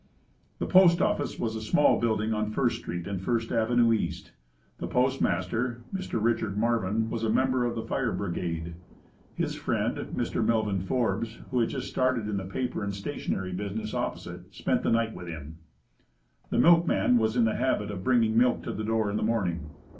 The postoffice was in a small building on First Street and First Avenue East. The postmaster, Mr. Richard Marvin was a member of the Fire Brigade. His friend, Mr. Melvin Forbes, who had just started in the paper and stationery business opposite, spent the night with him. The milkman was in the habit of bringing milk to the door in the morning.